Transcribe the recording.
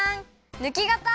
ぬきがた！